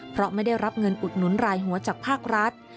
เพราะไม่ได้รับเงินอุดหนุนรายหัวจากภาครัฐ